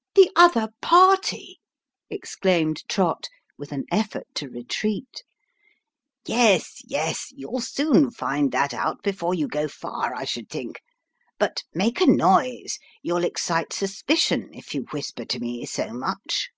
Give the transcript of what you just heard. *' The other party 1 " exclaimed Trott, with an effort to retreat. " Yes, yes ; you'll soon find that out, before you go far, I should think but make a noise, you'll excite suspicion if you whisper to me so much."